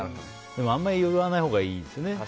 でも、あまり言わないほうがいいですよね。